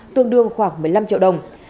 tương đương khoảng một mươi năm triệu đồng